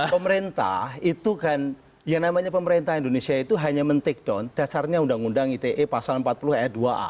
pemerintah itu kan yang namanya pemerintah indonesia itu hanya men take down dasarnya undang undang ite pasal empat puluh ayat dua a